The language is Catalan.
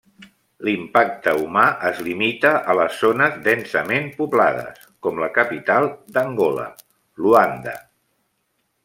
L'impacte humà es limita a les zones densament poblades, com la capital d'Angola, Luanda.